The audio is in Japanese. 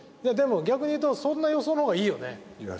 逆に言うとそんな予想のほうがいいよね。